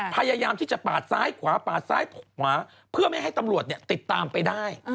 พยายามที่จะปาดซ้ายขวาปาดซ้ายขวาเพื่อไม่ให้ตำรวจติดตามไปได้